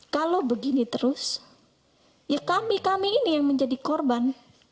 kalau begini terus ya kami kami ini yang menjadi korban